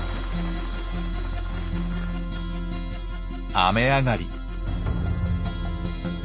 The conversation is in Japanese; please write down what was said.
雨上がり。